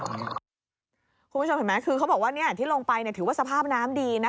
คุณผู้ชมเห็นไหมคือเขาบอกว่าที่ลงไปถือว่าสภาพน้ำดีนะ